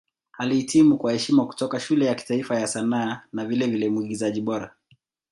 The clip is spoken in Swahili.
Alihitimu kwa heshima kutoka Shule ya Kitaifa ya Sanaa na vilevile Mwigizaji Bora.